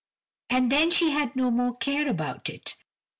And then she had no more care about it.